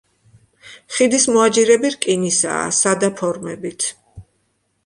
ხიდის მოაჯირები რკინისაა, სადა ფორმებით.